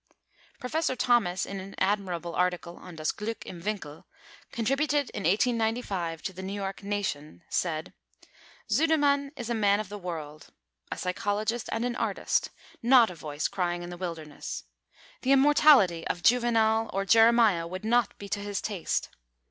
Professor Thomas, in an admirable article on Das Glück im Winkel, contributed in 1895 to the New York Nation, said, "Sudermann is a man of the world, a psychologist, and an artist, not a voice crying in the wilderness. The immortality of Juvenal or Jeremiah would not be to his taste."